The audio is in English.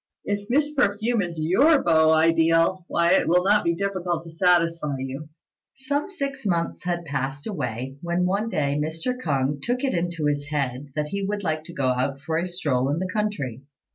If Miss Perfume is your beau ideal, why it will not be difficult to satisfy you." Some six months had passed away, when one day Mr. K'ung took it into his head that he would like to go out for a stroll in the country.